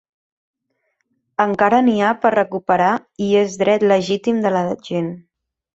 Encara n’hi ha per recuperar i es dret legítim de la gent.